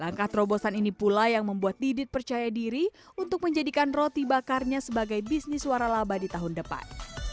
langkah terobosan ini pula yang membuat didit percaya diri untuk menjadikan roti bakarnya sebagai bisnis suara laba di tahun depan